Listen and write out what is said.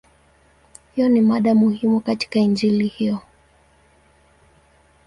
Hiyo ni mada muhimu katika Injili hiyo.